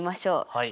はい。